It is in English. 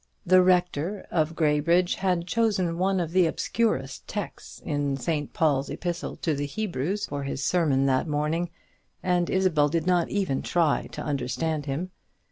The Rector of Graybridge had chosen one of the obscurest texts in St. Paul's Epistle to the Hebrews for his sermon that morning, and Isabel did not even try to understand him.